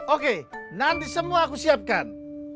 oke nanti semua aku siapkan